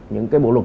những cái bộ luật